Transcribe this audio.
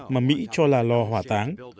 mà mỹ cho là lò hỏa táng